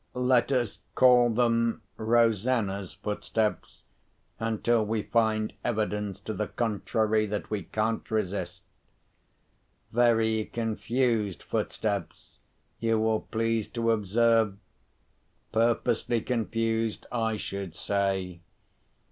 Let us call them Rosanna's footsteps, until we find evidence to the contrary that we can't resist. Very confused footsteps, you will please to observe—purposely confused, I should say.